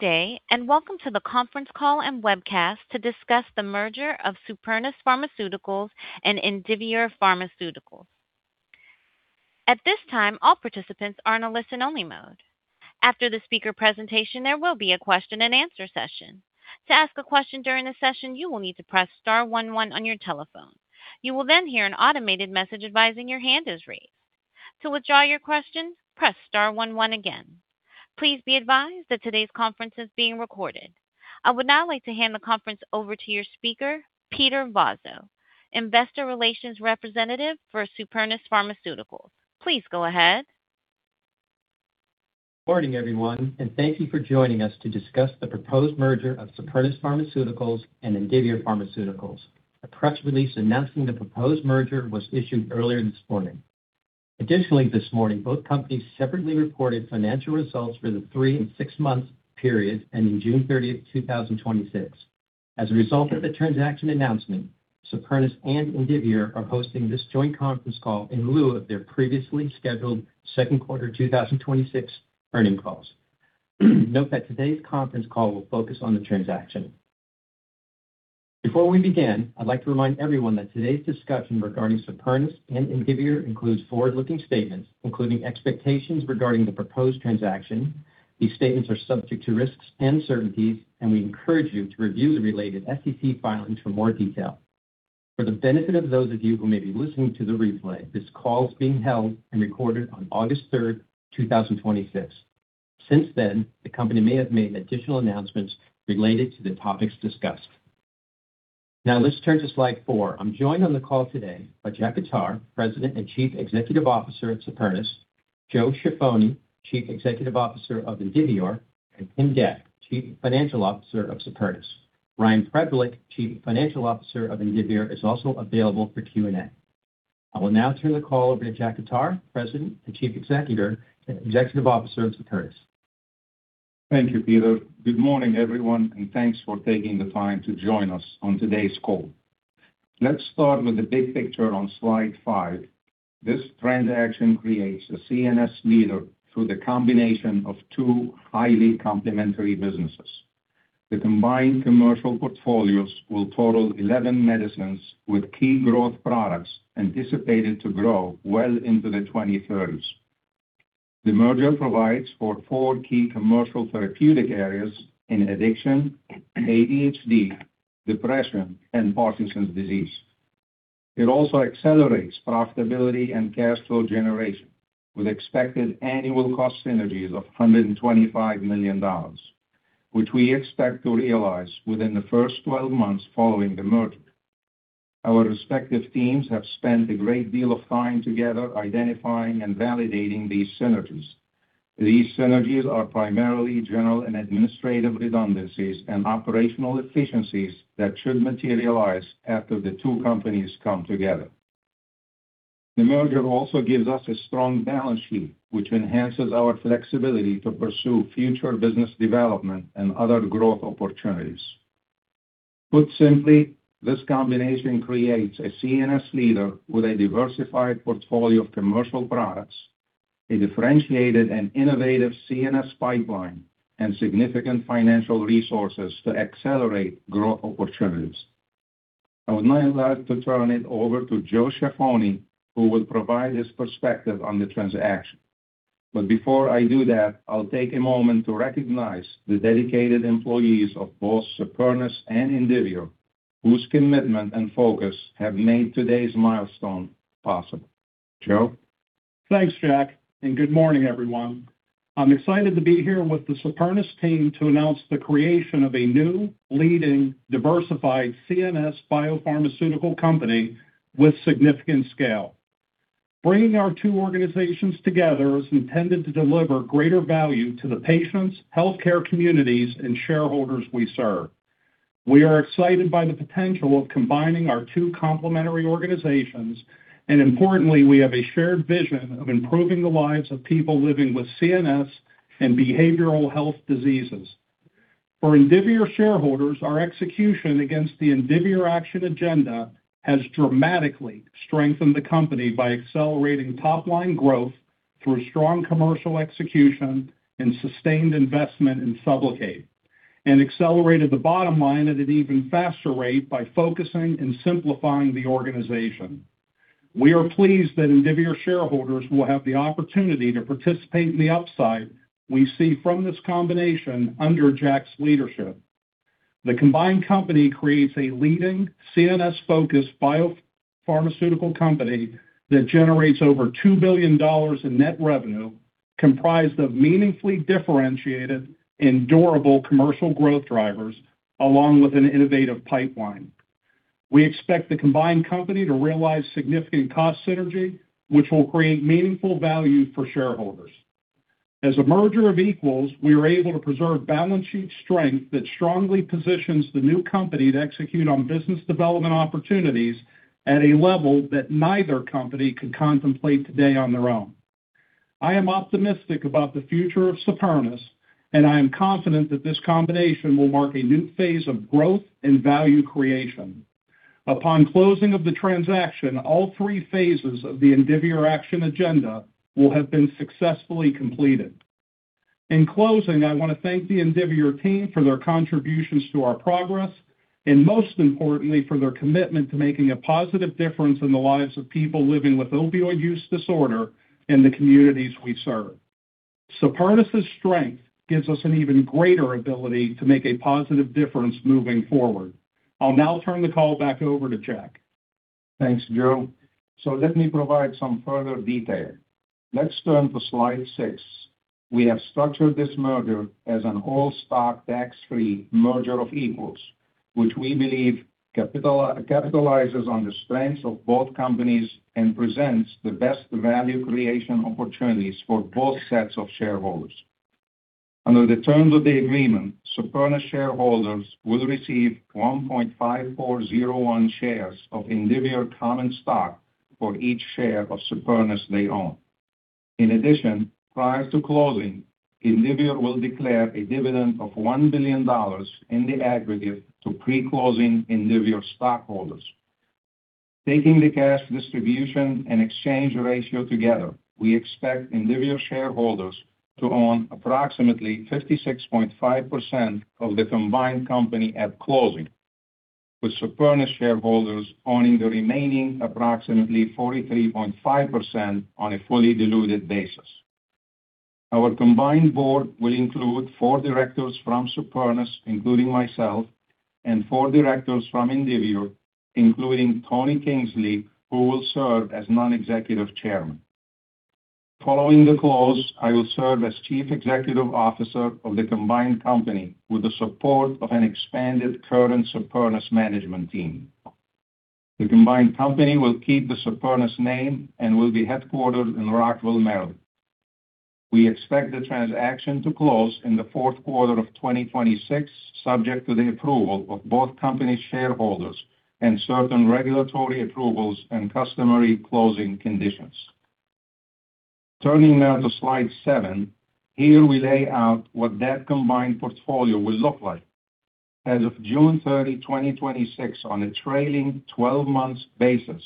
Good day, welcome to the conference call and webcast to discuss the merger of Supernus Pharmaceuticals and Indivior Pharmaceuticals. At this time, all participants are in a listen-only mode. After the speaker presentation, there will be a question-and-answer session. To ask a question during the session, you will need to press star one one on your telephone. You will hear an automated message advising your hand is raised. To withdraw your question, press star one one again. Please be advised that today's conference is being recorded. I would now like to hand the conference over to your speaker, Peter Vozzo, investor relations representative for Supernus Pharmaceuticals. Please go ahead. Morning, everyone, thank you for joining us to discuss the proposed merger of Supernus Pharmaceuticals and Indivior Pharmaceuticals. A press release announcing the proposed merger was issued earlier this morning. Additionally, this morning, both companies separately reported financial results for the three and six-month periods ending June 30, 2026. As a result of the transaction announcement, Supernus and Indivior are hosting this joint conference call in lieu of their previously scheduled second quarter 2026 earning calls. Note that today's conference call will focus on the transaction. Before we begin, I'd like to remind everyone that today's discussion regarding Supernus and Indivior includes forward-looking statements, including expectations regarding the proposed transaction. These statements are subject to risks and uncertainties, we encourage you to review the related SEC filings for more detail. For the benefit of those of you who may be listening to the replay, this call is being held and recorded on August 3rd, 2026. Since then, the company may have made additional announcements related to the topics discussed. Now let's turn to slide four. I'm joined on the call today by Jack Khattar, President and Chief Executive Officer at Supernus, Joe Ciaffoni, Chief Executive Officer of Indivior, and Tim Dec, Chief Financial Officer of Supernus. Ryan Preblick, Chief Financial Officer of Indivior, is also available for Q&A. I will now turn the call over to Jack Khattar, President and Chief Executive Officer of Supernus. Thank you, Peter. Good morning, everyone, thanks for taking the time to join us on today's call. Let's start with the big picture on slide five. This transaction creates a CNS leader through the combination of two highly complementary businesses. The combined commercial portfolios will total 11 medicines with key growth products anticipated to grow well into the 2030s. The merger provides for four key commercial therapeutic areas in addiction, ADHD, depression, and Parkinson's disease. It also accelerates profitability and cash flow generation with expected annual cost synergies of $125 million, which we expect to realize within the first 12 months following the merger. Our respective teams have spent a great deal of time together identifying and validating these synergies. These synergies are primarily general and administrative redundancies and operational efficiencies that should materialize after the two companies come together. The merger also gives us a strong balance sheet, which enhances our flexibility to pursue future business development and other growth opportunities. Put simply, this combination creates a CNS leader with a diversified portfolio of commercial products, a differentiated and innovative CNS pipeline, and significant financial resources to accelerate growth opportunities. I would now like to turn it over to Joe Ciaffoni, who will provide his perspective on the transaction. Before I do that, I'll take a moment to recognize the dedicated employees of both Supernus and Indivior, whose commitment and focus have made today's milestone possible. Joe? Thanks, Jack, good morning, everyone. I'm excited to be here with the Supernus team to announce the creation of a new leading diversified CNS biopharmaceutical company with significant scale. Bringing our two organizations together is intended to deliver greater value to the patients, healthcare communities, and shareholders we serve. We are excited by the potential of combining our two complementary organizations, importantly, we have a shared vision of improving the lives of people living with CNS and behavioral health diseases. For Indivior shareholders, our execution against the Indivior Action Agenda has dramatically strengthened the company by accelerating top-line growth through strong commercial execution and sustained investment in SUBLOCADE and accelerated the bottom line at an even faster rate by focusing and simplifying the organization. We are pleased that Indivior shareholders will have the opportunity to participate in the upside we see from this combination under Jack's leadership. The combined company creates a leading CNS-focused biopharmaceutical company that generates over $2 billion in net revenue, comprised of meaningfully differentiated and durable commercial growth drivers, along with an innovative pipeline. We expect the combined company to realize significant cost synergy, which will create meaningful value for shareholders. As a merger of equals, we are able to preserve balance sheet strength that strongly positions the new company to execute on business development opportunities at a level that neither company could contemplate today on their own. I am optimistic about the future of Supernus, I am confident that this combination will mark a new phase of growth and value creation. Upon closing of the transaction, all three phases of the Indivior Action Agenda will have been successfully completed. In closing, I want to thank the Indivior team for their contributions to our progress, most importantly, for their commitment to making a positive difference in the lives of people living with opioid use disorder in the communities we serve. Supernus's strength gives us an even greater ability to make a positive difference moving forward. I'll now turn the call back over to Jack. Thanks, Joe. Let me provide some further detail. Let's turn to slide six. We have structured this merger as an all-stock, tax-free merger of equals, which we believe capitalizes on the strengths of both companies and presents the best value creation opportunities for both sets of shareholders. Under the terms of the agreement, Supernus shareholders will receive 1.5401 shares of Indivior common stock for each share of Supernus they own. In addition, prior to closing, Indivior will declare a dividend of $1 billion in the aggregate to pre-closing Indivior stockholders. Taking the cash distribution and exchange ratio together, we expect Indivior shareholders to own approximately 56.5% of the combined company at closing, with Supernus shareholders owning the remaining approximately 43.5% on a fully diluted basis. Our combined board will include four directors from Supernus, including myself, and four directors from Indivior, including Tony Kingsley, who will serve as non-executive chairman. Following the close, I will serve as chief executive officer of the combined company with the support of an expanded current Supernus management team. The combined company will keep the Supernus name and will be headquartered in Rockville, Maryland. We expect the transaction to close in the fourth quarter of 2026, subject to the approval of both company shareholders and certain regulatory approvals and customary closing conditions. Turning now to slide seven. Here we lay out what that combined portfolio will look like. As of June 30, 2026, on a trailing 12-months basis,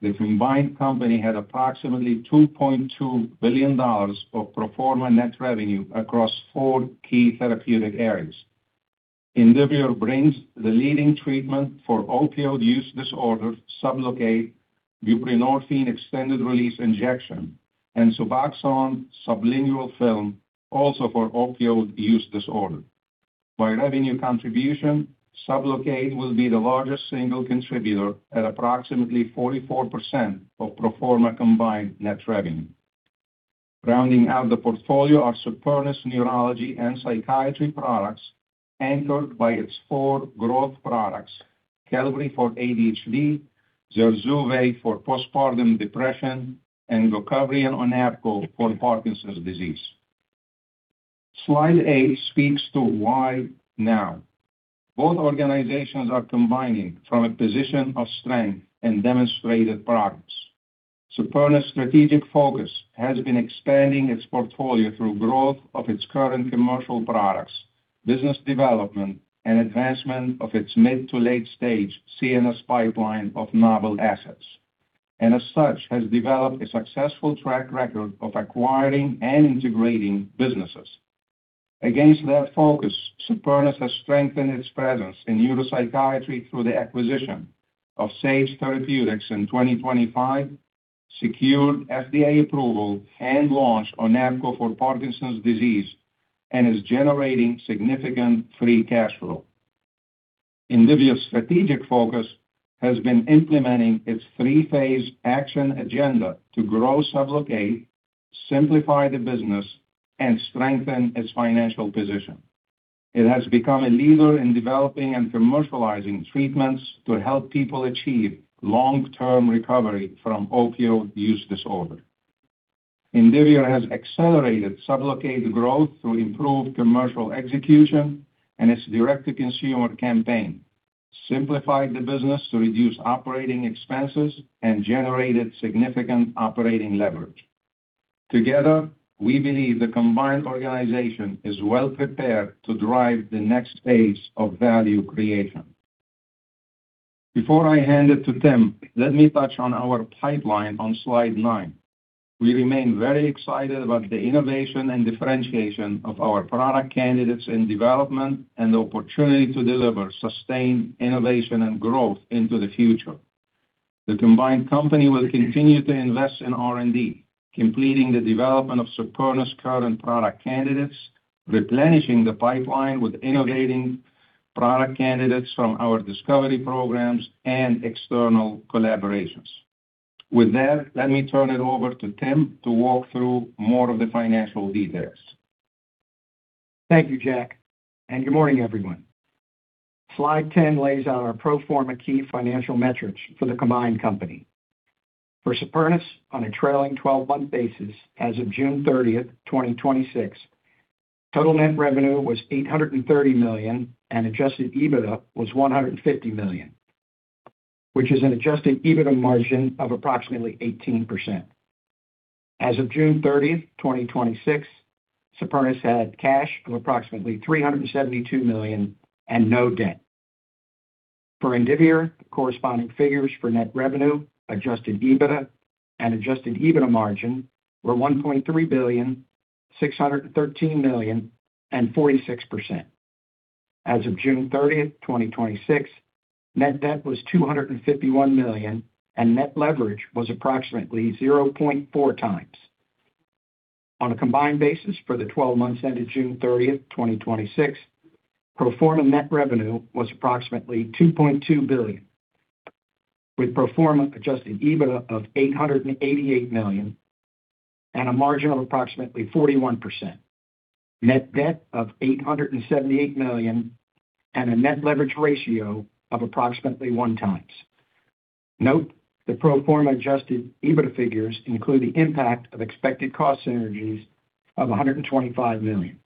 the combined company had approximately $2.2 billion of pro forma net revenue across four key therapeutic areas. Indivior brings the leading treatment for opioid use disorder, SUBLOCADE, buprenorphine extended release injection, and SUBOXONE sublingual film, also for opioid use disorder. By revenue contribution, SUBLOCADE will be the largest single contributor at approximately 44% of pro forma combined net revenue. Rounding out the portfolio are Supernus neurology and psychiatry products, anchored by its four growth products, Qelbree for ADHD, ZURZUVAE for postpartum depression, and GOCOVRI and ONAPGO for Parkinson's disease. Slide eight speaks to why now. Both organizations are combining from a position of strength and demonstrated progress. Supernus' strategic focus has been expanding its portfolio through growth of its current commercial products, business development, and advancement of its mid to late-stage CNS pipeline of novel assets. As such, has developed a successful track record of acquiring and integrating businesses. Against that focus, Supernus has strengthened its presence in neuropsychiatry through the acquisition of Sage Therapeutics in 2025, secured FDA approval and launched ONAPGO for Parkinson's disease, and is generating significant free cash flow. Indivior's strategic focus has been implementing its three-phase Indivior Action Agenda to grow SUBLOCADE, simplify the business, and strengthen its financial position. It has become a leader in developing and commercializing treatments to help people achieve long-term recovery from opioid use disorder. Indivior has accelerated SUBLOCADE growth through improved commercial execution and its direct-to-consumer campaign, simplifying the business to reduce operating expenses and generated significant operating leverage. Together, we believe the combined organization is well prepared to drive the next phase of value creation. Before I hand it to Tim, let me touch on our pipeline on slide nine. We remain very excited about the innovation and differentiation of our product candidates in development and the opportunity to deliver sustained innovation and growth into the future. The combined company will continue to invest in R&D, completing the development of Supernus' current product candidates, replenishing the pipeline with innovating product candidates from our discovery programs and external collaborations. With that, let me turn it over to Tim to walk through more of the financial details. Thank you, Jack, and good morning, everyone. Slide 10 lays out our pro forma key financial metrics for the combined company. For Supernus, on a trailing 12-month basis as of June 30th, 2026, total net revenue was $830 million, and adjusted EBITDA was $150 million, which is an adjusted EBITDA margin of approximately 18%. As of June 30th, 2026, Supernus had cash of approximately $372 million and no debt. For Indivior, corresponding figures for net revenue, adjusted EBITDA, and adjusted EBITDA margin were $1.3 billion, $613 million and 46%. As of June 30th, 2026, net debt was $251 million and net leverage was approximately 0.4x. On a combined basis for the 12 months ended June 30th, 2026, pro forma net revenue was approximately $2.2 billion with pro forma adjusted EBITDA of $888 million and a margin of approximately 41%, net debt of $878 million, and a net leverage ratio of approximately one times. Note, the pro forma adjusted EBITDA figures include the impact of expected cost synergies of $125 million.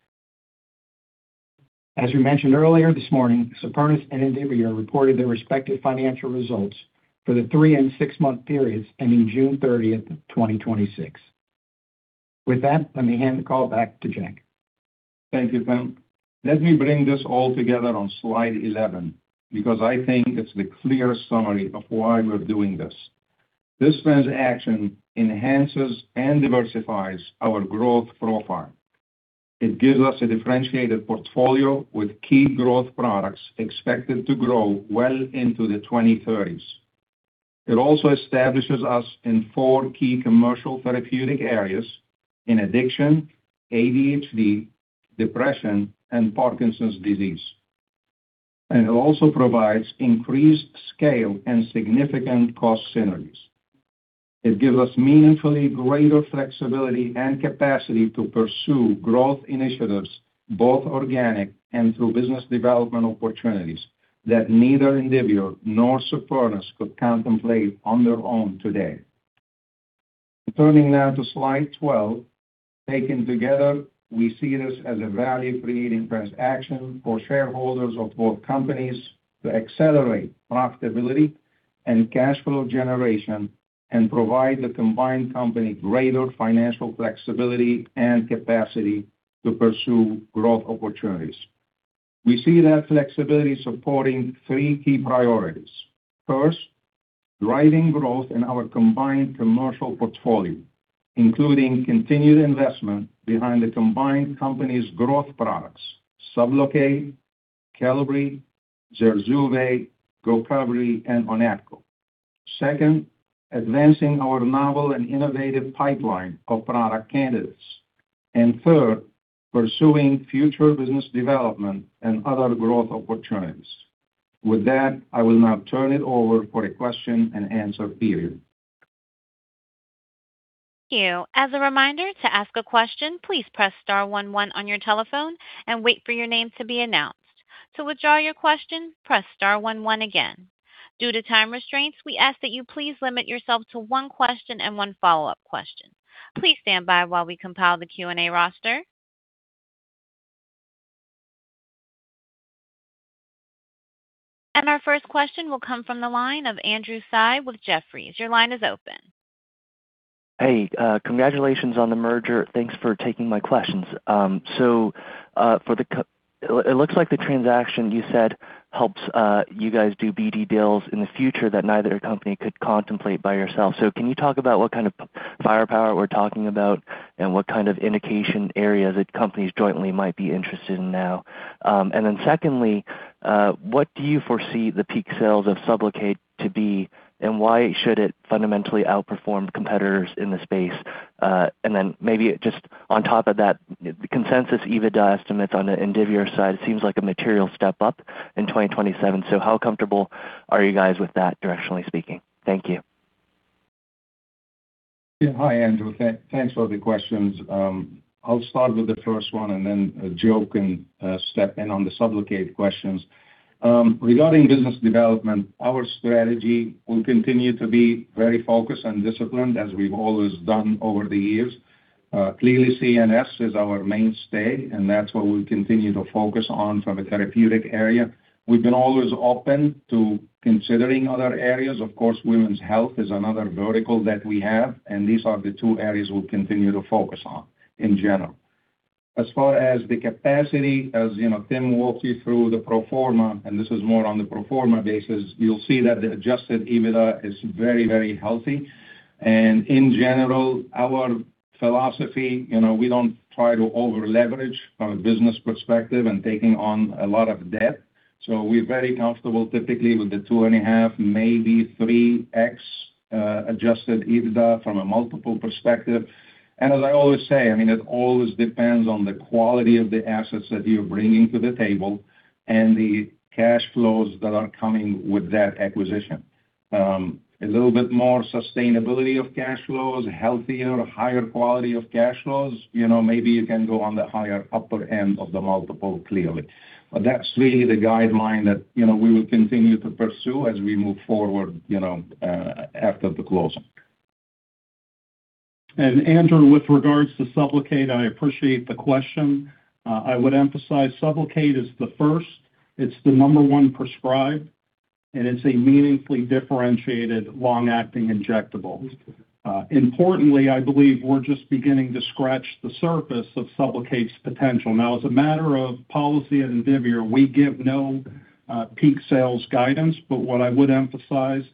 As we mentioned earlier this morning, Supernus and Indivior reported their respective financial results for the three and six-month periods ending June 30th, 2026. With that, let me hand the call back to Jack. Thank you, Tim. Let me bring this all together on slide 11, because I think it's the clear summary of why we're doing this. This transaction enhances and diversifies our growth profile. It gives us a differentiated portfolio with key growth products expected to grow well into the 2030s. It also establishes us in four key commercial therapeutic areas in addiction, ADHD, depression, and Parkinson's disease. It also provides increased scale and significant cost synergies. It gives us meaningfully greater flexibility and capacity to pursue growth initiatives, both organic and through business development opportunities that neither Indivior nor Supernus could contemplate on their own today. Turning now to slide 12. Taken together, we see this as a value-creating transaction for shareholders of both companies to accelerate profitability and cash flow generation and provide the combined company greater financial flexibility and capacity to pursue growth opportunities. We see that flexibility supporting three key priorities. First, driving growth in our combined commercial portfolio, including continued investment behind the combined company's growth products, SUBLOCADE, Qelbree, ZURZUVAE, GOCOVRI, and ONAPGO. Second, advancing our novel and innovative pipeline of product candidates. Third, pursuing future business development and other growth opportunities. With that, I will now turn it over for a question-and-answer period. Thank you. As a reminder, to ask a question, please press star one one on your telephone and wait for your name to be announced. To withdraw your question, press star one one again. Due to time restraints, we ask that you please limit yourself to one question and one follow-up question. Please stand by while we compile the Q&A roster. Our first question will come from the line of Andrew Tsai with Jefferies. Your line is open. Hey. Congratulations on the merger. Thanks for taking my questions. It looks like the transaction, you said, helps you guys do BD deals in the future that neither company could contemplate by yourself. Can you talk about what kind of firepower we're talking about and what kind of indication areas that companies jointly might be interested in now? Secondly, what do you foresee the peak sales of SUBLOCADE to be, and why should it fundamentally outperform competitors in the space? Maybe just on top of that, the consensus EBITDA estimates on the Indivior side seems like a material step up in 2027. How comfortable are you guys with that, directionally speaking? Thank you. Hi, Andrew. Thanks for the questions. I'll start with the first one, and then Joe can step in on the SUBLOCADE questions. Regarding business development, our strategy will continue to be very focused and disciplined as we've always done over the years. Clearly, CNS is our mainstay, and that's what we'll continue to focus on from a therapeutic area. We've been always open to considering other areas. Of course, women's health is another vertical that we have, and these are the two areas we'll continue to focus on in general. As far as the capacity, as Tim walked you through the pro forma, and this is more on the pro forma basis, you'll see that the adjusted EBITDA is very healthy. In general, our philosophy, we don't try to over-leverage from a business perspective and taking on a lot of debt. We're very comfortable typically with the 2.5, maybe 3x adjusted EBITDA from a multiple perspective. As I always say, it always depends on the quality of the assets that you're bringing to the table and the cash flows that are coming with that acquisition. A little bit more sustainability of cash flows, healthier, higher quality of cash flows, maybe you can go on the higher upper end of the multiple, clearly. That's really the guideline that we will continue to pursue as we move forward after the closing. Andrew, with regards to SUBLOCADE, I appreciate the question. I would emphasize SUBLOCADE is the first, it's the number one prescribed. It's a meaningfully differentiated long-acting injectable. Importantly, I believe we're just beginning to scratch the surface of SUBLOCADE's potential. Now, as a matter of policy at Indivior, we give no peak sales guidance, but what I would emphasize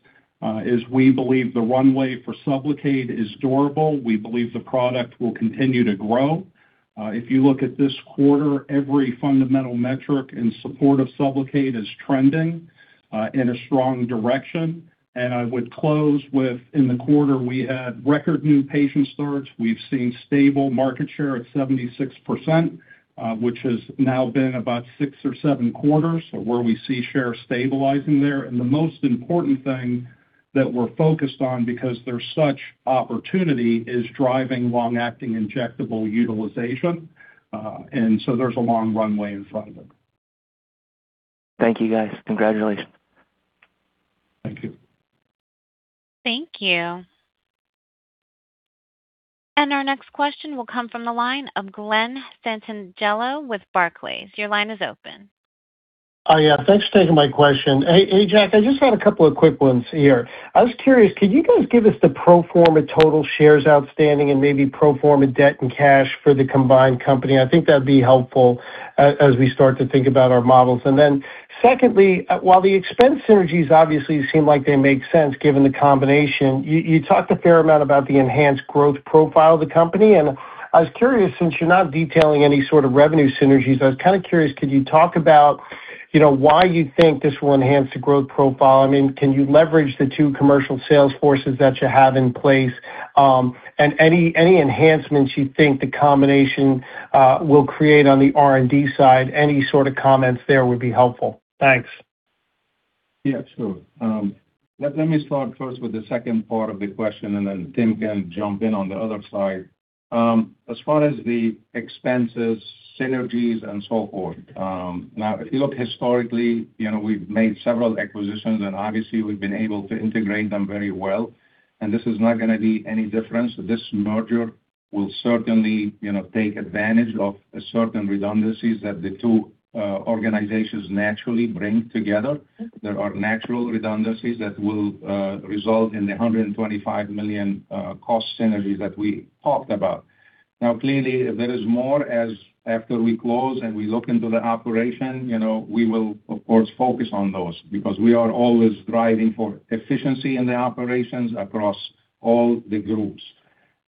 is we believe the runway for SUBLOCADE is durable. We believe the product will continue to grow. If you look at this quarter, every fundamental metric in support of SUBLOCADE is trending in a strong direction. I would close with, in the quarter, we had record new patient starts. We've seen stable market share at 76%, which has now been about six or seven quarters where we see shares stabilizing there. The most important thing that we're focused on, because there's such opportunity, is driving long-acting injectable utilization. There's a long runway in front of it. Thank you, guys. Congratulations. Thank you. Thank you. Our next question will come from the line of Glen Santangelo with Barclays. Your line is open. Yeah. Thanks for taking my question. Hey, Jack, I just got a couple of quick ones here. I was curious, could you guys give us the pro forma total shares outstanding and maybe pro forma debt and cash for the combined company? I think that'd be helpful as we start to think about our models. Secondly, while the expense synergies obviously seem like they make sense given the combination, you talked a fair amount about the enhanced growth profile of the company. I was curious, since you're not detailing any sort of revenue synergies, I was kind of curious, could you talk about why you think this will enhance the growth profile? I mean, can you leverage the two commercial sales forces that you have in place? Any enhancements you think the combination will create on the R&D side? Any sort of comments there would be helpful. Thanks. Let me start first with the second part of the question, and then Tim can jump in on the other side. As far as the expenses, synergies and so forth. If you look historically, we've made several acquisitions and obviously we've been able to integrate them very well, and this is not going to be any different. This merger will certainly take advantage of certain redundancies that the two organizations naturally bring together. There are natural redundancies that will result in the $125 million cost synergies that we talked about. Clearly, there is more as after we close and we look into the operation, we will, of course, focus on those because we are always striving for efficiency in the operations across all the groups.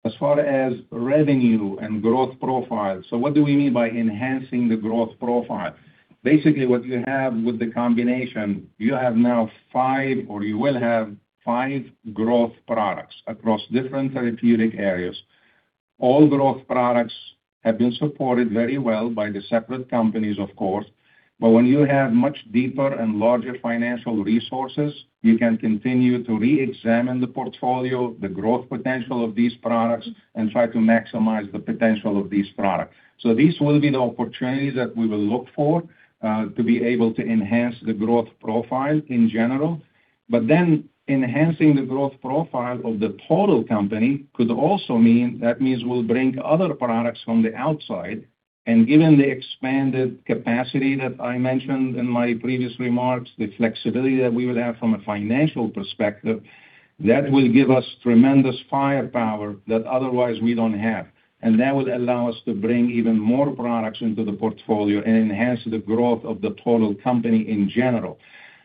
As far as revenue and growth profile. What do we mean by enhancing the growth profile? Basically what you have with the combination, you have now five, or you will have five growth products across different therapeutic areas. All growth products have been supported very well by the separate companies, of course. When you have much deeper and larger financial resources, you can continue to reexamine the portfolio, the growth potential of these products, and try to maximize the potential of these products. These will be the opportunities that we will look for to be able to enhance the growth profile in general. Enhancing the growth profile of the total company could also mean that means we'll bring other products from the outside. Given the expanded capacity that I mentioned in my previous remarks, the flexibility that we will have from a financial perspective, that will give us tremendous firepower that otherwise we don't have. That would allow us to bring even more products into the portfolio and enhance the growth of the total company in general.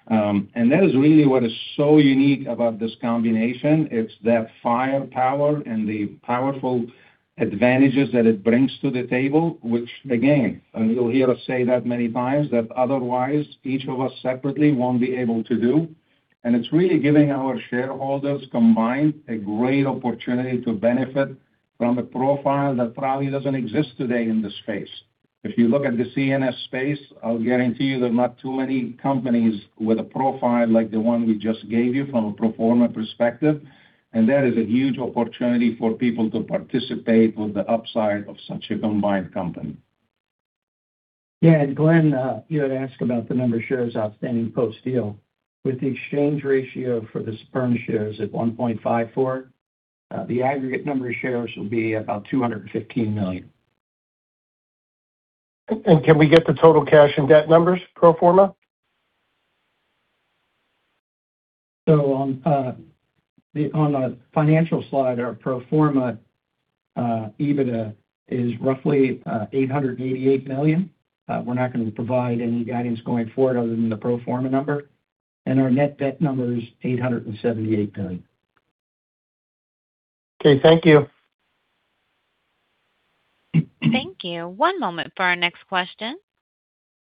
That is really what is so unique about this combination. It's that firepower and the powerful advantages that it brings to the table, which again, and you'll hear us say that many times, that otherwise each of us separately won't be able to do. It's really giving our shareholders combined a great opportunity to benefit from a profile that probably doesn't exist today in the space. If you look at the CNS space, I'll guarantee you there are not too many companies with a profile like the one we just gave you from a pro forma perspective. That is a huge opportunity for people to participate with the upside of such a combined company. Yeah. Glen, you had asked about the number of shares outstanding post-deal. With the exchange ratio for the Supernus shares at 1.54, the aggregate number of shares will be about 215 million. Can we get the total cash and debt numbers pro forma? On the financial slide, our pro forma EBITDA is roughly $888 million. We're not going to provide any guidance going forward other than the pro forma number. Our net debt number is $878 million. Okay. Thank you. Thank you. One moment for our next question.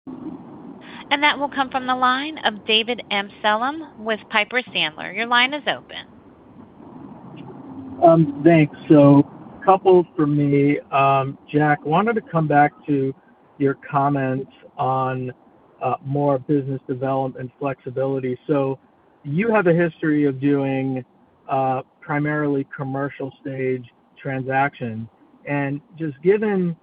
That will come from the line of David Amsellem with Piper Sandler. Your line is open. Thanks. Couple for me. Jack, wanted to come back to your comments on more business development and flexibility. You have a history of doing primarily commercial stage transactions. Just given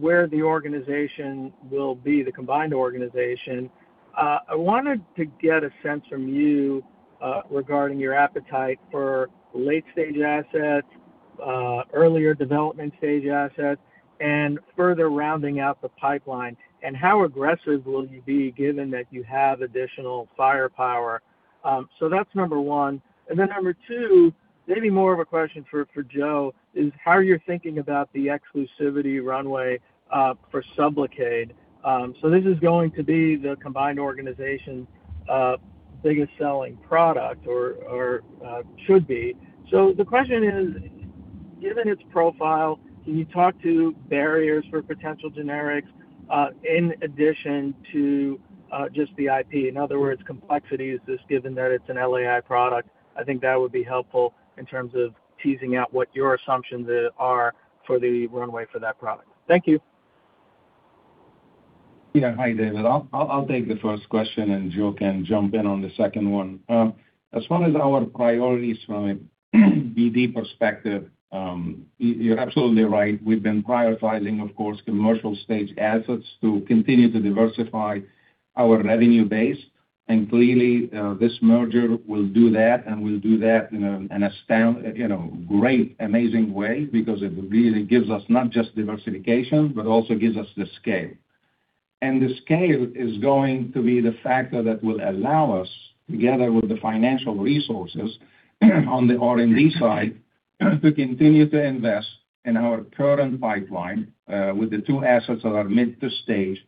where the organization will be, the combined organization, I wanted to get a sense from you regarding your appetite for late-stage assets earlier development stage assets and further rounding out the pipeline. How aggressive will you be given that you have additional firepower? That's number one. Then number two, maybe more of a question for Joe, is how you're thinking about the exclusivity runway for SUBLOCADE. This is going to be the combined organization's biggest selling product or should be. The question is, given its profile, can you talk to barriers for potential generics, in addition to just the IP, in other words, complexities, just given that it's an LAI product. I think that would be helpful in terms of teasing out what your assumptions are for the runway for that product. Thank you. Yeah. Hi, David. I'll take the first question, and Joe can jump in on the second one. As far as our priorities from a BD perspective, you're absolutely right. We've been prioritizing, of course, commercial stage assets to continue to diversify our revenue base. Clearly, this merger will do that and will do that in a great, amazing way because it really gives us not just diversification, but also gives us the scale. The scale is going to be the factor that will allow us, together with the financial resources on the R&D side, to continue to invest in our current pipeline, with the two assets that are mid to stage,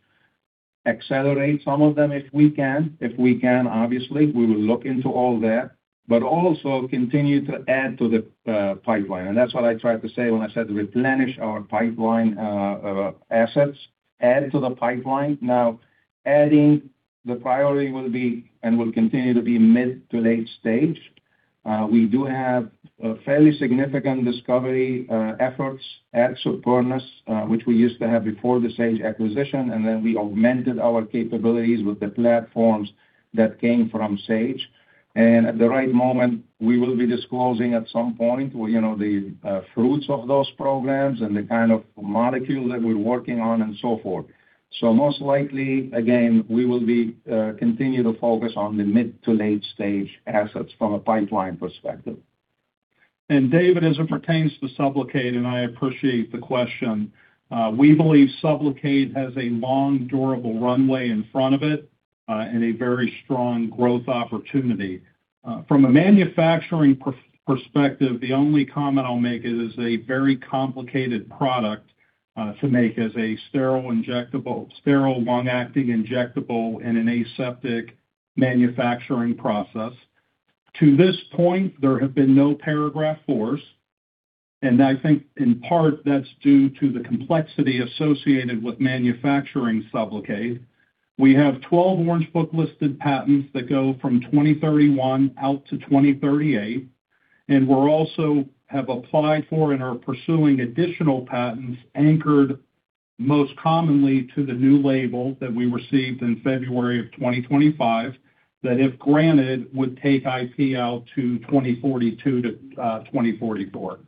accelerate some of them if we can. If we can, obviously, we will look into all that, but also continue to add to the pipeline. That's what I tried to say when I said replenish our pipeline of assets, add to the pipeline. Now adding, the priority will be and will continue to be mid to late stage. We do have fairly significant discovery efforts at Supernus, which we used to have before the Sage acquisition, and then we augmented our capabilities with the platforms that came from Sage. At the right moment, we will be disclosing at some point the fruits of those programs and the kind of molecule that we're working on and so forth. Most likely, again, we will continue to focus on the mid to late stage assets from a pipeline perspective. David, as it pertains to SUBLOCADE, and I appreciate the question. We believe SUBLOCADE has a long, durable runway in front of it, and a very strong growth opportunity. From a manufacturing perspective, the only comment I'll make is it's a very complicated product to make as a sterile long-acting injectable in an aseptic manufacturing process. To this point, there have been no Paragraph IV, and I think in part that's due to the complexity associated with manufacturing SUBLOCADE. We have 12 Orange Book-listed patents that go from 2031 out to 2038, and we also have applied for and are pursuing additional patents anchored most commonly to the new label that we received in February 2025, that if granted, would take IP out to 2042 to 2044.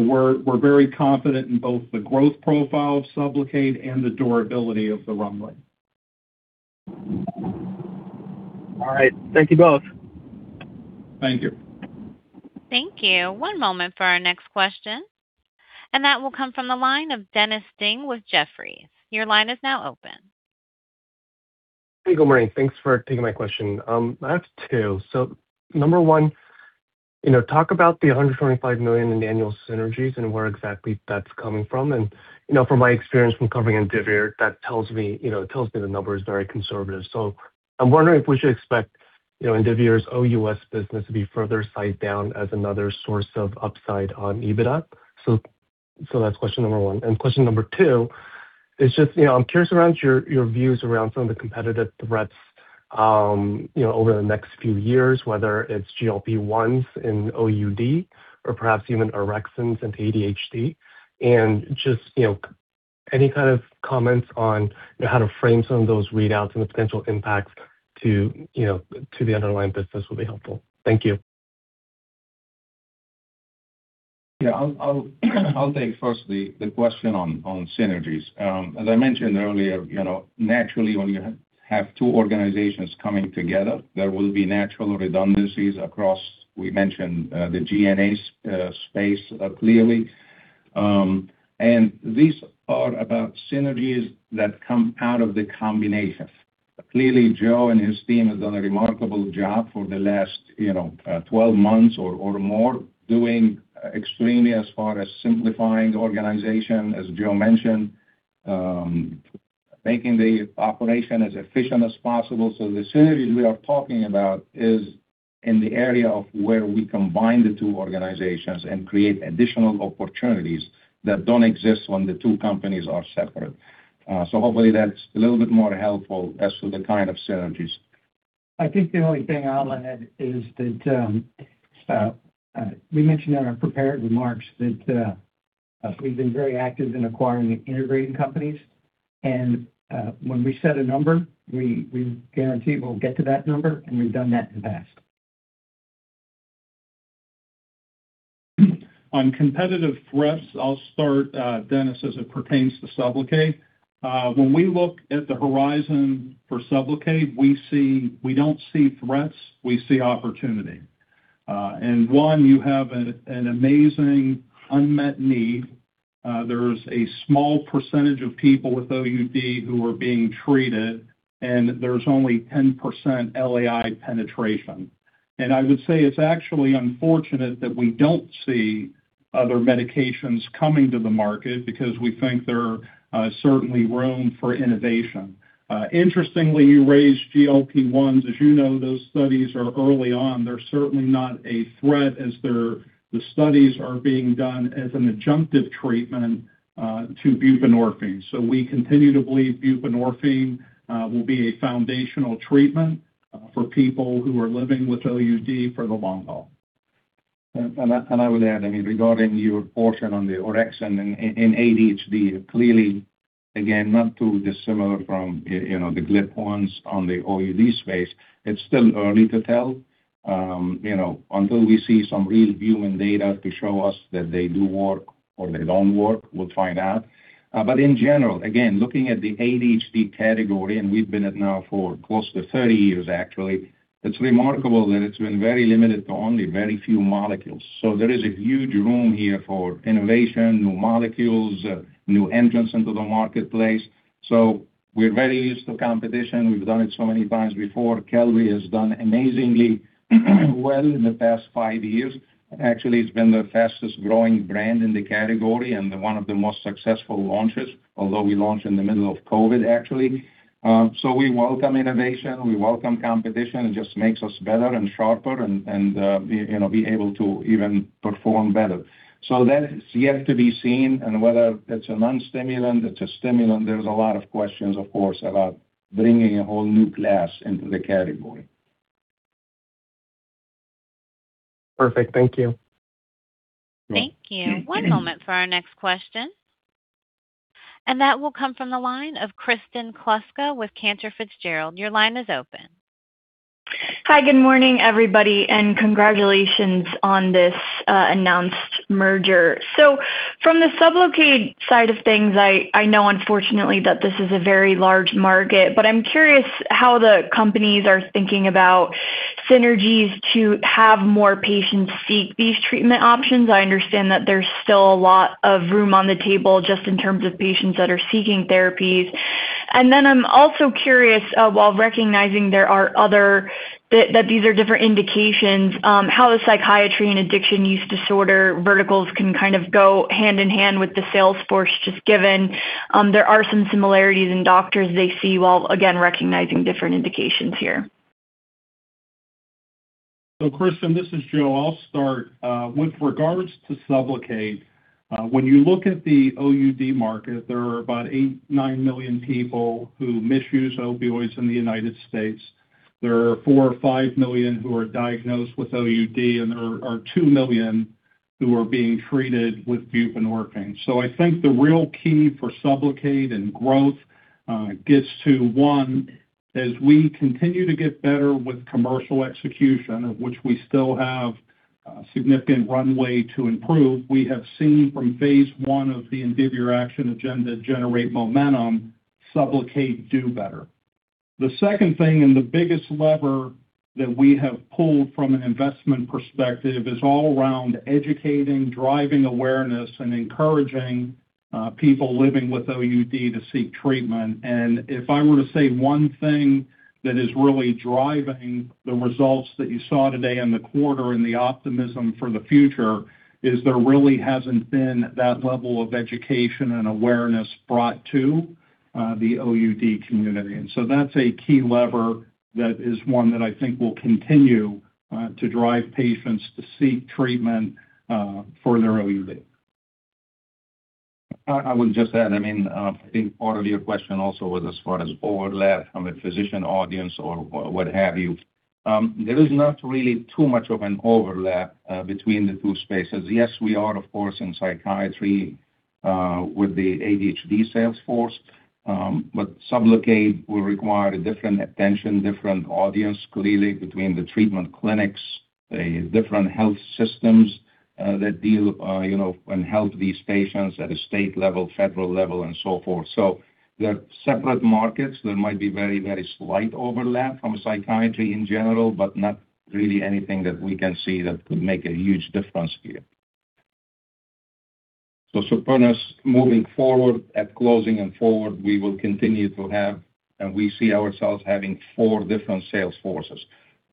We're very confident in both the growth profile of SUBLOCADE and the durability of the runway. All right. Thank you both. Thank you. Thank you. One moment for our next question, that will come from the line of Dennis Ding with Jefferies. Your line is now open. Hey, good morning. Thanks for taking my question. I have two. Number one, talk about the $125 million in annual synergies and where exactly that's coming from. From my experience from covering Indivior, that tells me the number is very conservative. I'm wondering if we should expect Indivior's OUS business to be further sized down as another source of upside on EBITDA. That's question number one. Question number two is just, I'm curious around your views around some of the competitive threats, over the next few years, whether it's GLP-1s in OUD or perhaps even orexins and ADHD. Just any kind of comments on how to frame some of those readouts and the potential impacts to the underlying business will be helpful. Thank you. Yeah. I'll take first the question on synergies. As I mentioned earlier, naturally, when you have two organizations coming together, there will be natural redundancies across, we mentioned, the G&A space, clearly. These are about synergies that come out of the combination. Clearly, Joe and his team has done a remarkable job for the last 12 months or more, doing extremely as far as simplifying the organization, as Joe mentioned, making the operation as efficient as possible. The synergies we are talking about is in the area of where we combine the two organizations and create additional opportunities that don't exist when the two companies are separate. Hopefully that's a little bit more helpful as to the kind of synergies. I think the only thing I'll add is that, we mentioned in our prepared remarks that we've been very active in acquiring and integrating companies, and when we set a number, we guarantee we'll get to that number, and we've done that in the past. On competitive threats, I'll start, Dennis, as it pertains to SUBLOCADE. When we look at the horizon for SUBLOCADE, we don't see threats, we see opportunity. One, you have an amazing unmet need. There's a small percentage of people with OUD who are being treated, and there's only 10% LAI penetration. I would say it's actually unfortunate that we don't see other medications coming to the market because we think there are certainly room for innovation. Interestingly, you raised GLP-1s. As you know, those studies are early on. They're certainly not a threat as the studies are being done as an adjunctive treatment to buprenorphine. We continue to believe buprenorphine will be a foundational treatment for people who are living with OUD for the long haul. I would add, regarding your portion on the orexin in ADHD, clearly, again, not too dissimilar from the GLP-1s on the OUD space. It's still early to tell. Until we see some real human data to show us that they do work or they don't work, we'll find out. In general, again, looking at the ADHD category, and we've been at it now for close to 30 years actually, it's remarkable that it's been very limited to only very few molecules. There is a huge room here for innovation, new molecules, new entrants into the marketplace. We're very used to competition. We've done it so many times before. Qelbree has done amazingly well in the past five years. Actually, it's been the fastest-growing brand in the category and one of the most successful launches, although we launched in the middle of COVID, actually. We welcome innovation, we welcome competition. It just makes us better and sharper and be able to even perform better. That is yet to be seen and whether it's a non-stimulant, it's a stimulant, there's a lot of questions, of course, about bringing a whole new class into the category. Perfect. Thank you. Thank you. One moment for our next question. That will come from the line of Kristen Kluska with Cantor Fitzgerald. Your line is open. Hi, good morning, everybody, and congratulations on this announced merger. From the SUBLOCADE side of things, I know unfortunately that this is a very large market, but I'm curious how the companies are thinking about synergies to have more patients seek these treatment options. I understand that there's still a lot of room on the table just in terms of patients that are seeking therapies. Then I'm also curious, while recognizing that these are different indications, how the psychiatry and addiction use disorder verticals can kind of go hand in hand with the sales force, just given there are some similarities in doctors they see while, again, recognizing different indications here. Kristen, this is Joe. I'll start. With regards to SUBLOCADE, when you look at the OUD market, there are about 8 million, 9 million people who misuse opioids in the United States. There are 4 million or 5 million who are diagnosed with OUD, and there are 2 million who are being treated with buprenorphine. I think the real key for SUBLOCADE and growth gets to one, as we continue to get better with commercial execution, of which we still have significant runway to improve, we have seen from phase I of the Indivior Action Agenda generate momentum, SUBLOCADE do better. The second thing and the biggest lever that we have pulled from an investment perspective is all around educating, driving awareness, and encouraging people living with OUD to seek treatment. If I were to say one thing that is really driving the results that you saw today in the quarter and the optimism for the future is there really hasn't been that level of education and awareness brought to the OUD community. That's a key lever that is one that I think will continue to drive patients to seek treatment for their OUD. I would just add, I think part of your question also was as far as overlap from a physician audience or what have you. There is not really too much of an overlap between the two spaces. Yes, we are, of course, in psychiatry with the ADHD sales force. SUBLOCADE will require a different attention, different audience, clearly, between the treatment clinics, the different health systems that deal and help these patients at a state level, federal level, and so forth. They're separate markets. There might be very slight overlap from psychiatry in general, not really anything that we can see that could make a huge difference here. Supernus moving forward at closing and forward, we will continue to have, and we see ourselves having four different sales forces.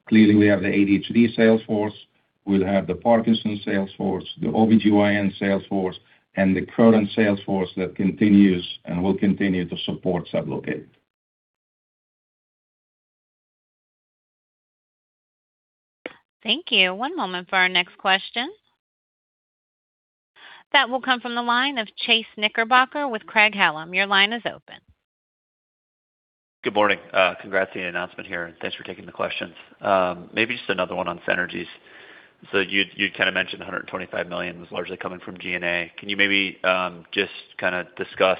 Clearly, we have the ADHD sales force, we'll have the Parkinson's sales force, the OBGYN sales force, and the current sales force that continues and will continue to support SUBLOCADE. Thank you. One moment for our next question. That will come from the line of Chase Knickerbocker with Craig-Hallum. Your line is open. Good morning. Congrats on the announcement here, thanks for taking the questions. Maybe just another one on synergies. You kind of mentioned $125 million was largely coming from G&A. Can you maybe just kind of discuss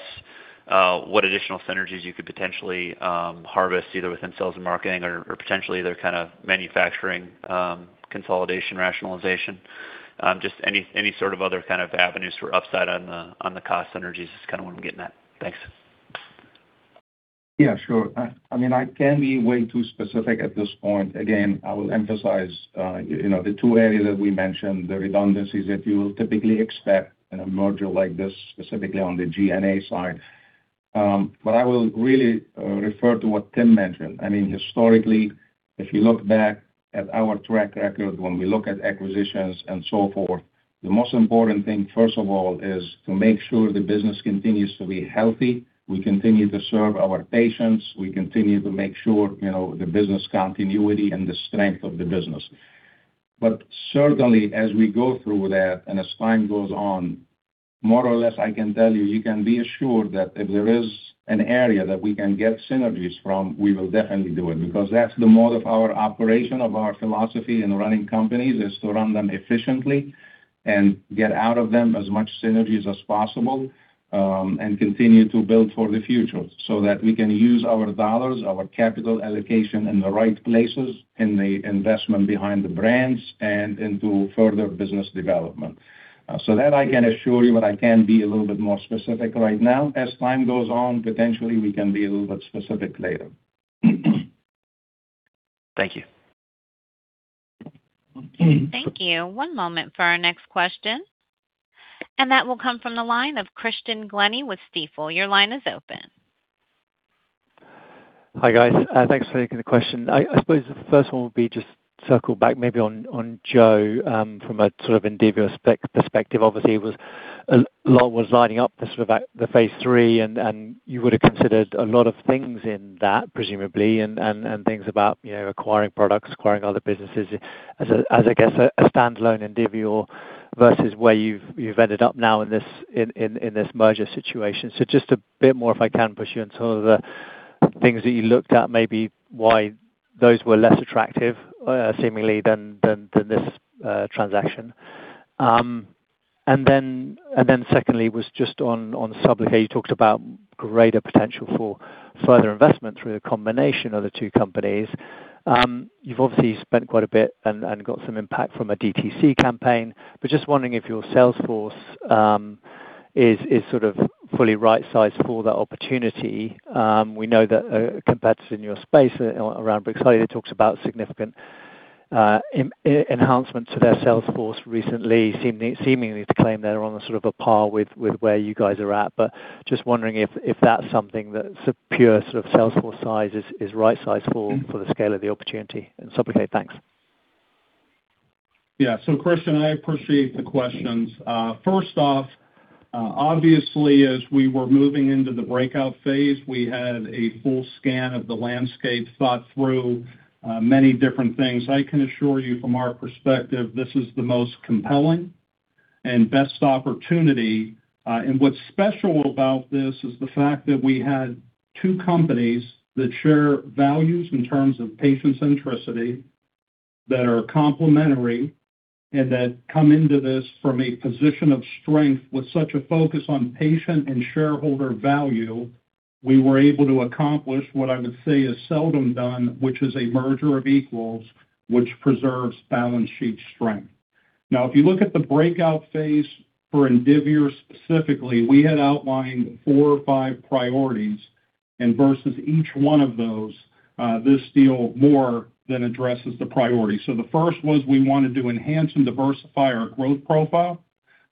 what additional synergies you could potentially harvest, either within sales and marketing or potentially other kind of manufacturing consolidation rationalization? Just any sort of other kind of avenues for upside on the cost synergies is kind of what I'm getting at. Thanks. Yeah, sure. I can't be way too specific at this point. Again, I will emphasize the two areas that we mentioned, the redundancies that you will typically expect in a merger like this, specifically on the G&A side. I will really refer to what Tim mentioned. Historically, if you look back at our track record, when we look at acquisitions and so forth, the most important thing, first of all, is to make sure the business continues to be healthy, we continue to serve our patients, we continue to make sure the business continuity and the strength of the business. Certainly, as we go through that, and as time goes on, more or less, I can tell you can be assured that if there is an area that we can get synergies from, we will definitely do it, because that's the mode of our operation, of our philosophy in running companies, is to run them efficiently and get out of them as much synergies as possible, and continue to build for the future so that we can use our dollars, our capital allocation in the right places, in the investment behind the brands and into further business development. That I can assure you, but I can't be a little bit more specific right now. As time goes on, potentially, we can be a little bit specific later. Thank you. Thank you. One moment for our next question. That will come from the line of Christian Glennie with Stifel. Your line is open. Hi, guys. Thanks for taking the question. I suppose the first one would be just circle back maybe on Joe, from a sort of Indivior perspective, obviously, a lot was lining up this with the phase III, and you would've considered a lot of things in that, presumably, and things about acquiring products, acquiring other businesses as, I guess, a standalone Indivior versus where you've ended up now in this merger situation. Just a bit more, if I can push you on some of the things that you looked at, maybe why those were less attractive seemingly than this transaction. Secondly was just on SUBLOCADE, you talked about greater potential for further investment through the combination of the two companies. You've obviously spent quite a bit and got some impact from a DTC campaign, but just wondering if your sales force is sort of fully right-sized for that opportunity. We know that a competitor in your space around Brixadi talks about significant enhancements to their sales force recently, seemingly to claim they're on a sort of a par with where you guys are at. Just wondering if that's something that's a pure sort of sales force size is right size for the scale of the opportunity in SUBLOCADE. Thanks. Yeah. Christian, I appreciate the questions. First off, obviously, as we were moving into the breakout phase, we had a full scan of the landscape, thought through many different things. I can assure you from our perspective, this is the most compelling and best opportunity. What's special about this is the fact that we had two companies that share values in terms of patient centricity, that are complementary, and that come into this from a position of strength. With such a focus on patient and shareholder value, we were able to accomplish what I would say is seldom done, which is a merger of equals, which preserves balance sheet strength. Now, if you look at the breakout phase for Indivior specifically, we had outlined four or five priorities, and versus each one of those, this deal more than addresses the priority. The first was we wanted to enhance and diversify our growth profile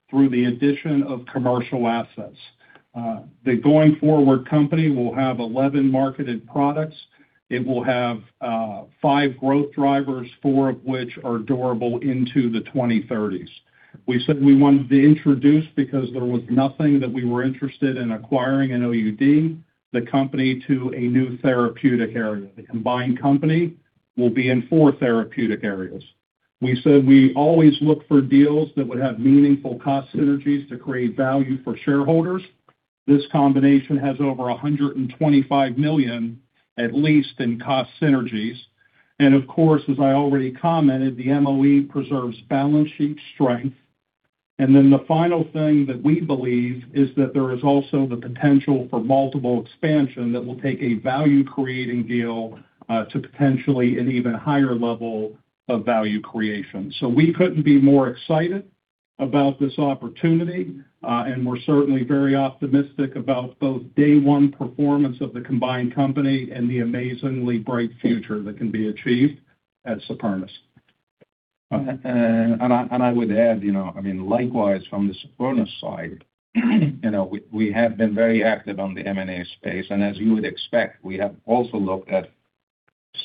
through the addition of commercial assets. The going forward company will have 11 marketed products. It will have five growth drivers, four of which are durable into the 2030s. We said we wanted to introduce because there was nothing that we were interested in acquiring an OUD, the company to a new therapeutic area. The combined company will be in four therapeutic areas. We said we always look for deals that would have meaningful cost synergies to create value for shareholders. This combination has over $125 million, at least, in cost synergies. Of course, as I already commented, the MOE preserves balance sheet strength. The final thing that we believe is that there is also the potential for multiple expansion that will take a value-creating deal, to potentially an even higher level of value creation. We couldn't be more excited about this opportunity. We're certainly very optimistic about both day one performance of the combined company and the amazingly bright future that can be achieved at Supernus. I would add, likewise, from the Supernus side, we have been very active on the M&A space. As you would expect, we have also looked at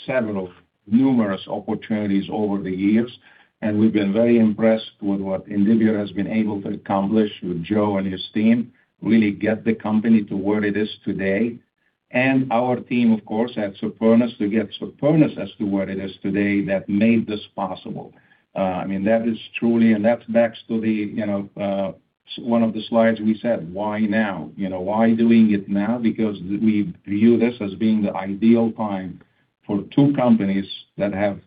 several numerous opportunities over the years, and we've been very impressed with what Indivior has been able to accomplish with Joe and his team, really get the company to where it is today. Our team, of course, at Supernus to get Supernus as to where it is today that made this possible. That is truly, and that's back to one of the slides we said, why now? Why doing it now? Because we view this as being the ideal time for two companies that have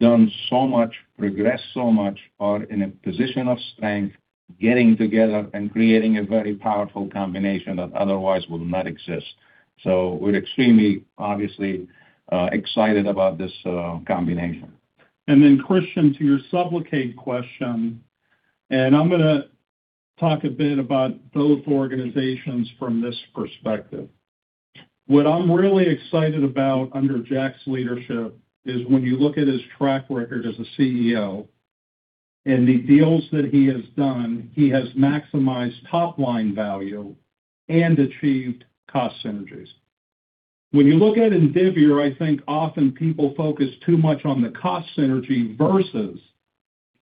done so much, progressed so much, are in a position of strength, getting together and creating a very powerful combination that otherwise would not exist. We're extremely, obviously, excited about this combination. Christian, to your SUBLOCADE question, and I'm going to talk a bit about both organizations from this perspective. What I'm really excited about under Jack's leadership is when you look at his track record as a CEO and the deals that he has done, he has maximized top-line value and achieved cost synergies. When you look at Indivior, I think often people focus too much on the cost synergy versus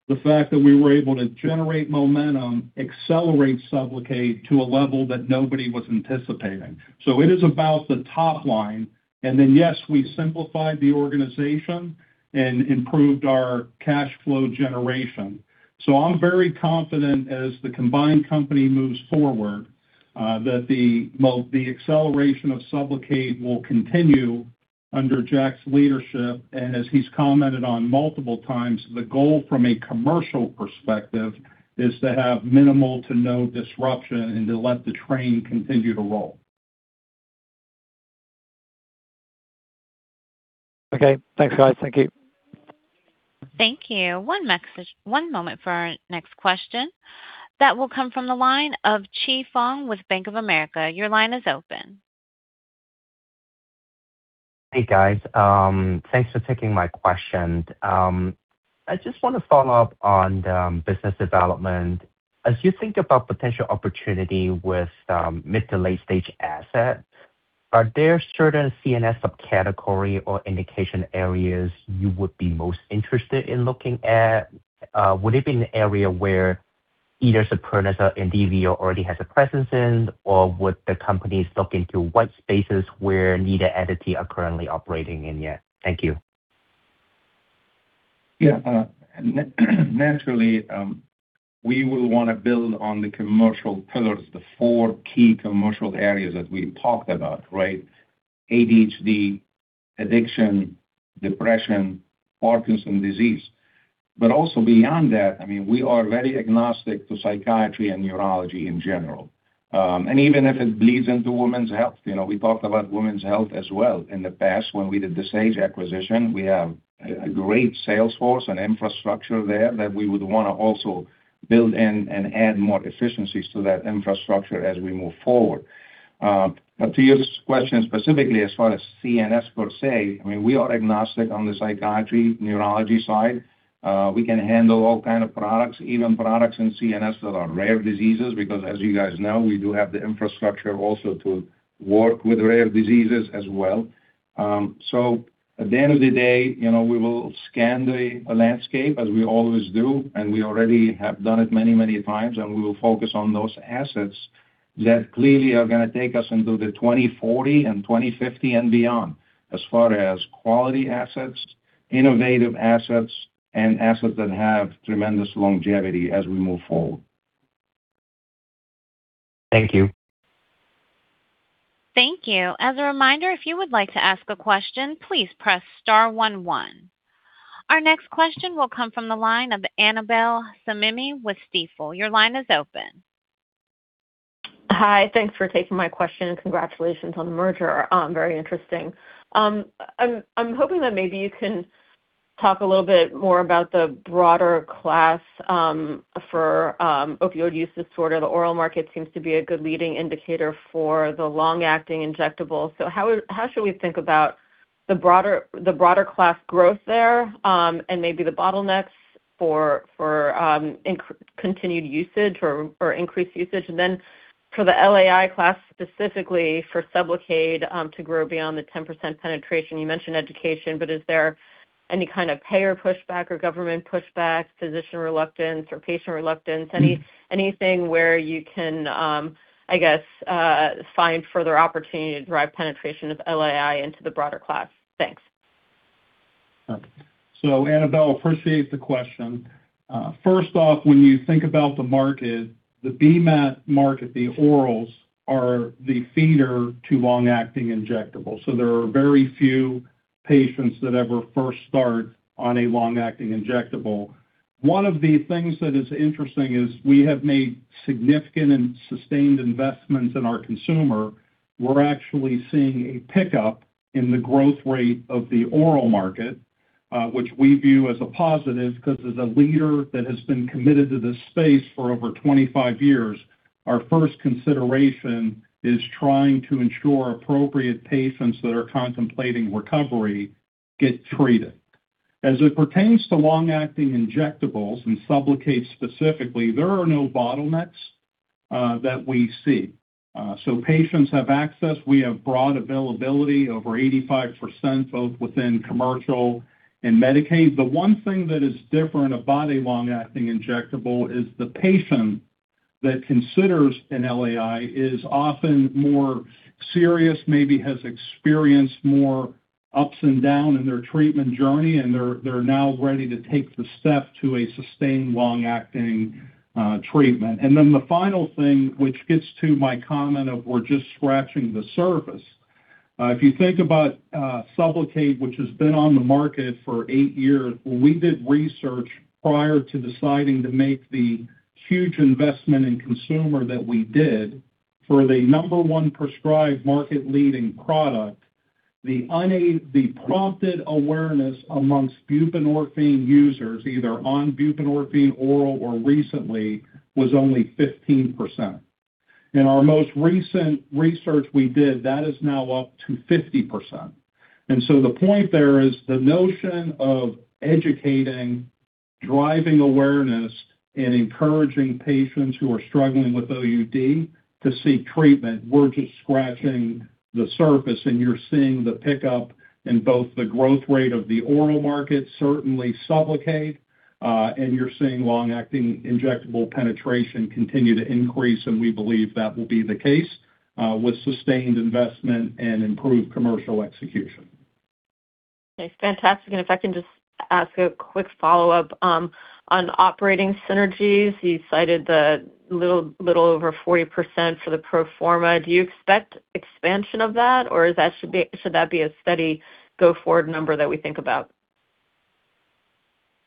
the fact that we were able to generate momentum, accelerate SUBLOCADE to a level that nobody was anticipating. It is about the top line, and then, yes, we simplified the organization and improved our cash flow generation. I'm very confident as the combined company moves forward, that the acceleration of SUBLOCADE will continue under Jack's leadership. As he's commented on multiple times, the goal from a commercial perspective is to have minimal to no disruption and to let the train continue to roll. Okay. Thanks, guys. Thank you. Thank you. One moment for our next question. That will come from the line of Chi Fong with Bank of America. Your line is open. Hey, guys. Thanks for taking my question. I just want to follow up on the business development. As you think about potential opportunity with mid to late-stage asset, are there certain CNS subcategory or indication areas you would be most interested in looking at? Would it be an area where either Supernus or Indivior already has a presence in or would the companies look into what spaces where neither entity are currently operating in yet? Thank you. Naturally, we will want to build on the commercial pillars, the four key commercial areas that we talked about, right? ADHD, addiction, depression, Parkinson's disease. Also beyond that, we are very agnostic to psychiatry and neurology in general. Even if it bleeds into women's health, we talked about women's health as well in the past when we did the Sage acquisition. We have a great sales force and infrastructure there that we would want to also build in and add more efficiencies to that infrastructure as we move forward. To your question specifically, as far as CNS per se, we are agnostic on the psychiatry, neurology side. We can handle all kind of products, even products in CNS that are rare diseases, because as you guys know, we do have the infrastructure also to work with rare diseases as well. At the end of the day, we will scan the landscape as we always do, and we already have done it many times, and we will focus on those assets that clearly are going to take us into the 2040 and 2050 and beyond, as far as quality assets, innovative assets, and assets that have tremendous longevity as we move forward. Thank you. Thank you. As a reminder, if you would like to ask a question, please press star one one. Our next question will come from the line of Annabel Samimy with Stifel. Your line is open. Hi. Thanks for taking my question, and congratulations on the merger. Very interesting. I'm hoping that maybe you can talk a little bit more about the broader class for opioid use disorder. The oral market seems to be a good leading indicator for the long-acting injectable. How should we think about the broader class growth there, and maybe the bottlenecks for continued usage or increased usage? For the LAI class, specifically for SUBLOCADE to grow beyond the 10% penetration, you mentioned education, but is there any kind of payer pushback or government pushback, physician reluctance or patient reluctance? Anything where you can, I guess, find further opportunity to drive penetration of LAI into the broader class? Thanks. Annabel, appreciate the question. First off, when you think about the market, the B-MAT market, the orals are the feeder to long-acting injectable. There are very few patients that ever first start on a long-acting injectable. One of the things that is interesting is we have made significant and sustained investments in our consumer. We're actually seeing a pickup in the growth rate of the oral market, which we view as a positive, because as a leader that has been committed to this space for over 25 years, our first consideration is trying to ensure appropriate patients that are contemplating recovery get treated. As it pertains to long-acting injectables and SUBLOCADE specifically, there are no bottlenecks that we see. Patients have access. We have broad availability, over 85%, both within commercial and Medicaid. The one thing that is different about a long-acting injectable is the patient that considers an LAI is often more serious, maybe has experienced more ups and down in their treatment journey, and they're now ready to take the step to a sustained long-acting treatment. The final thing, which gets to my comment of we're just scratching the surface If you think about SUBLOCADE, which has been on the market for eight years, when we did research prior to deciding to make the huge investment in consumer that we did for the number one prescribed market-leading product, the prompted awareness amongst buprenorphine users, either on buprenorphine oral or recently, was only 15%. In our most recent research we did, that is now up to 50%. The point there is the notion of educating, driving awareness, and encouraging patients who are struggling with OUD to seek treatment. We're just scratching the surface, you're seeing the pickup in both the growth rate of the oral market, certainly SUBLOCADE, you're seeing long-acting injectable penetration continue to increase, we believe that will be the case with sustained investment and improved commercial execution. Okay. Fantastic. If I can just ask a quick follow-up. On operating synergies, you cited the little over 40% for the pro forma. Do you expect expansion of that, or should that be a steady go-forward number that we think about?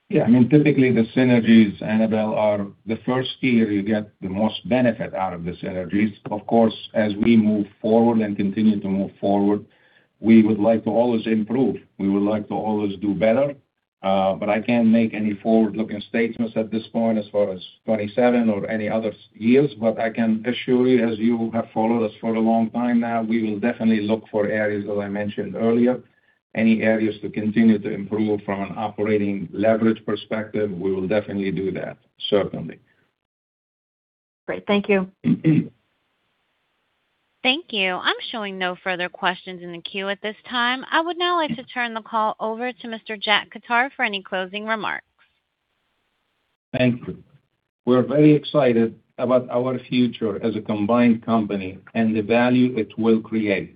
Yeah. Typically, the synergies, Annabel, are the first year you get the most benefit out of the synergies. Of course, as we move forward and continue to move forward, we would like to always improve. We would like to always do better. I can't make any forward-looking statements at this point as far as 2027 or any other years. I can assure you, as you have followed us for a long time now, we will definitely look for areas, as I mentioned earlier, any areas to continue to improve from an operating leverage perspective. We will definitely do that, certainly. Great. Thank you. Thank you. I'm showing no further questions in the queue at this time. I would now like to turn the call over to Mr. Jack Khattar for any closing remarks. Thank you. We're very excited about our future as a combined company and the value it will create.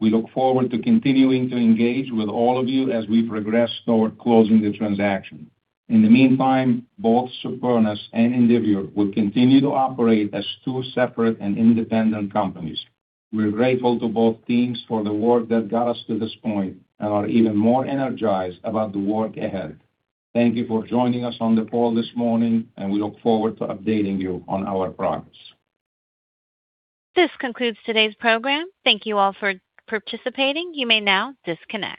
We look forward to continuing to engage with all of you as we progress toward closing the transaction. In the meantime, both Supernus and Indivior will continue to operate as two separate and independent companies. We're grateful to both teams for the work that got us to this point and are even more energized about the work ahead. Thank you for joining us on the call this morning, and we look forward to updating you on our progress. This concludes today's program. Thank you all for participating. You may now disconnect.